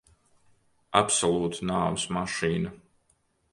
Absolūta nāves mašīna.